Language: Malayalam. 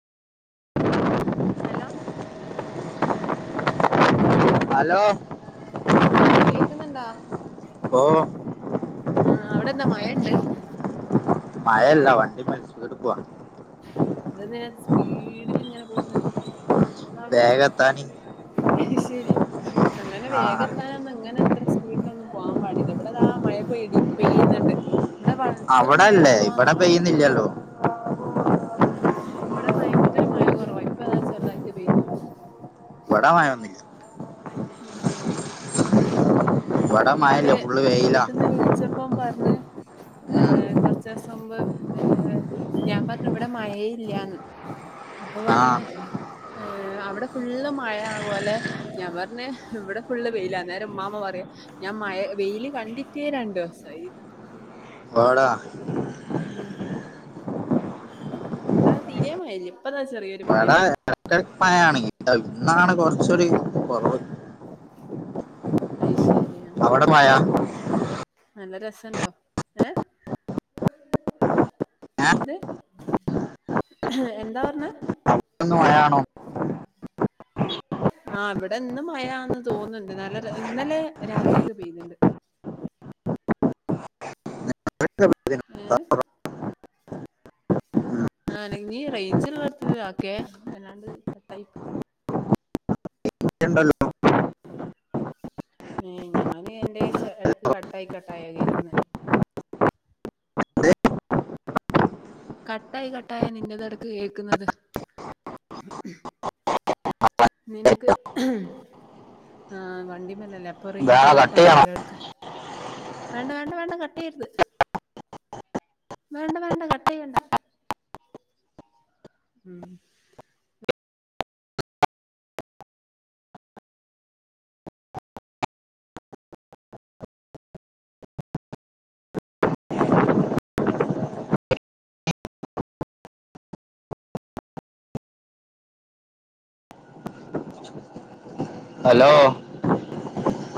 ഹലോ. ഹലോ ആഹ് കേക്കുന്നിണ്ടോ? ഓ ആഹ് അവിടെന്താ മയണ്ട്? മയല്ല വണ്ടി മ [unintelligible] ടുക്കു അതെന്തിന സ്പീഡിലിങ്ങനെ പോകുന്നേ? വേഗത്താനി അത്ശരി അങ്ങനെ ആ വേഗത്താ നൊന്ന ങ്ങനെത്രസ് വീട്ടിലൊന്നും പോവൻ പാടില്ല ഇവിടതാ മഴ പേടി പെയ്യുന്നുണ്ട്. ഇവിടെ വൽത്ര മയ കൊറവാന്ന്റിയോ? ഇല്ല്യാല്ലോ. ഉം ഇവിടെ ഭയങ്കര മഴ കുറവ. ഇപ്പൊതാ ചെറുതായിട്ട് പെയ്യുന്നു. ബടെ മഴൊന്നുല്ലാ. ഞ ഇവിടെ ഇന്നോട് മഴയില്ല ഫുള്ള് വെയിലാ വീട്ടിൽന്ന് വി ച്ചപ്പം പറഞ്ഞ് കുറച്ച്സം മുമ്പ്. ഞാൻ പറഞ്ഞു ഇവിടെ മഴ ഇല്ല്യാന്ന്. അപ്പൊ ആ പറഞ്ഞ് അവിടെ ഫുള്ള് മഴയാവോലെ. പിന്നെ ഇവിടെ ഫുള്ള് വെയിലാ നേരം ഉമ്മാമ പറയും. ഞാൻ മഴ വെയില് കണ്ടിട്ടേ രണ്ടി സായി. ഇവിടെ ഉം ഇവിടെ തീരേ മഴല്ല ഇപ്പതാ ചെറേ ഇവിടെ ഇടക്കിടക് മഴേണ് ഇന്നാണ് കൊറച്ചൊരു കൊറവ്. [inaudible] അയ് ശരിയാണ്. മഴ. നല്ല രസുണ്ടോ ഏ ഏഹ് എന്ത് എന്താ പറഞ്ഞേ ന മഴാണോ? ആ ഇവിടെ ഇന്ന് മഴാന്ന് തോന്നുണ്ട് നല്ല ഇന്നലെ രാത്രിക്കെ പെയ്തിണ്ട്. [unintelligible] ഏ ആ നീ റേഞ്ചി ള്ളോടത്തത് ഓക്കെ അല്ലാണ്ട് കട്ടായി പോകും. ഉണ്ടല്ലോ ഏ ഞാന് എന്റെ ഇടക്ക് കട്ടായി കട്ടായി കേൾക്കുന്ന്. ദേ, കട്ടായി കട്ടായ നിന്റെത് എടക്ക് കേക്കുന്നത്. നിനക്ക് ഹേ ആ വണ്ടി മല്ലല്ലേ പ്പൊ ദാ റേഞ്ച് കട്ട് കട്ടാകും ചെയ്യണോ എല്ലാട്ക്ക്. വേണ്ട വേണ്ട വേണ്ട കട്ട് ചെയ്യരുത് വേണ്ട വേണ്ട കട്ട് ചെയ്യണ്ട. ഉം ഹലോ?